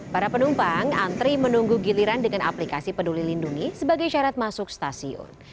para penumpang antri menunggu giliran dengan aplikasi peduli lindungi sebagai syarat masuk stasiun